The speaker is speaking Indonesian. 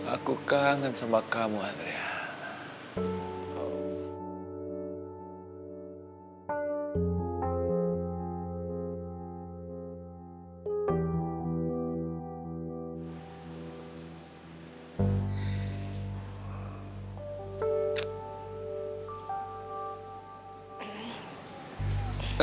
aku kangen sama kamu adriana